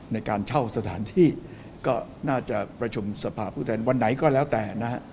ในการเช่าสถานที่ก็น่าจะประชุมสภาพผู้แทนวันไหนก็แล้วแต่นะฮะ